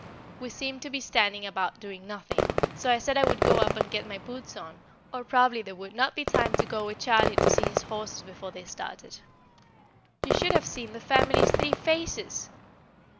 We seemed to be standing about doing nothing, so I said I would go up and get my boots on, or probably there would not be time to go with Charlie to see his horses before they started. You should have seen the family's three faces!